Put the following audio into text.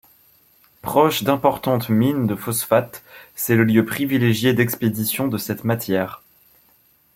Proche d'importantes mines de phosphate, c'est le lieu privilégié d'expédition de cette matière.